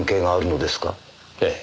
ええ。